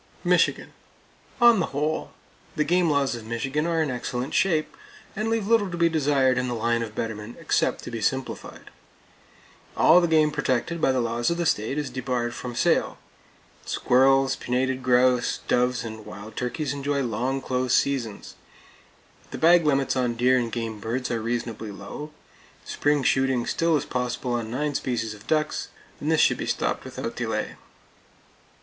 Michigan: On the whole, the game laws of Michigan are in excellent shape, and leave little to be desired in the line of betterment except to be simplified. All the game protected by the laws of the state is debarred from sale; squirrels, pinnated grouse, doves and wild turkeys enjoy long close seasons; the bag limits on deer and game birds are reasonably low; spring shooting still is possible on nine species of ducks; and this should be stopped without delay.